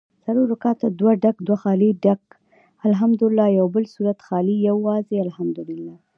څلور رکعته دوه ډک دوه خالي ډک الحمدوالله او یوبل سورت خالي یوازي الحمدوالله